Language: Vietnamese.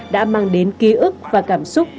đã mang đến ký ức và cảm xúc